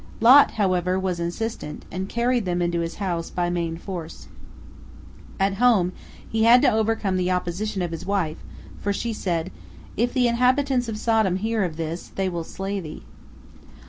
Lot, however, was insistent, and carried them into his house by main force. At home he had to overcome the opposition of his wife, for she said, "If the inhabitants of Sodom hear of this, they will slay thee."